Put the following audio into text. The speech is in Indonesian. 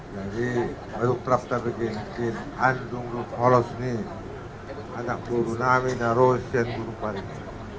jadi baru keraftan begini andung lumpur olos anak buru nami naros sian gunung pari